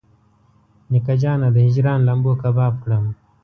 نیکه جانه د هجران لمبو کباب کړم.